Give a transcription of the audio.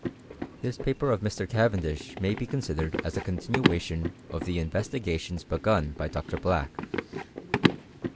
This paper of Mr. Cavendish maybecoB |V sidered as a continuation of the investigations begiltt P by Dr. Black.